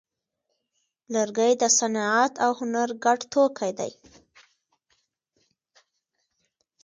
لرګی د صنعت او هنر ګډ توکی دی.